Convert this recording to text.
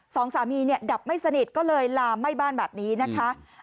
สองสามีเนี่ยดับไม่สนิทก็เลยลามไหม้บ้านแบบนี้นะคะ